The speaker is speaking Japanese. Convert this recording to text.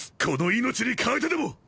この命に代えてでも！